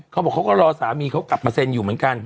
เขาบอกเขาก็รอสามีเขากลับมาเซ็นอยู่เหมือนกัน